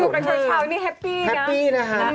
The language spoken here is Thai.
อยู่กับพี่เช้านี่แฮปปี้นะครับแฮปปี้นะครับ